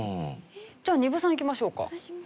じゃあ丹生さんいきましょうか。